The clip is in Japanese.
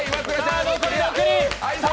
残り６人。